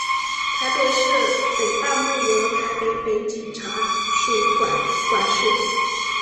台北市北半部由台北北警察署管辖。